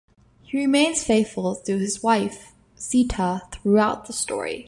He remains faithful to his wife Sita, throughout the story.